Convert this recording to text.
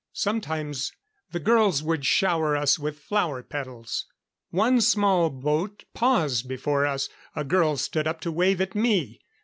Sometimes the girls would shower us with flower petals. One small boat paused before us. A girl stood up to wave at me.